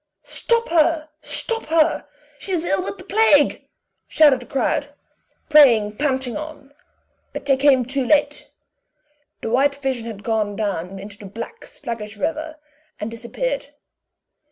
"Stop her! stop her! she is ill of the plague!" shouted the crowd, preying panting on; but they came too late; the white vision had gone down into the black, sluggish river, and disappeared.